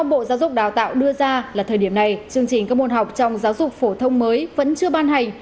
bộ giáo dục đào tạo đưa ra là thời điểm này chương trình các môn học trong giáo dục phổ thông mới vẫn chưa ban hành